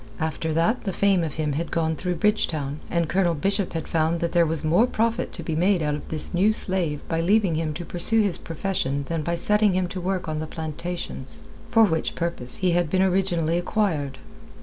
After that the fame of him had gone through Bridgetown, and Colonel Bishop had found that there was more profit to be made out of this new slave by leaving him to pursue his profession than by setting him to work on the plantations, for which purpose he had been originally acquired.